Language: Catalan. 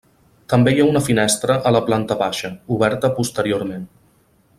També hi ha una finestra a la planta baixa, oberta posteriorment.